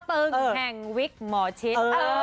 เปิงแห่งวิคหมอชิต